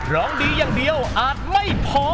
ร้องดีอย่างเดียวอาจไม่พอ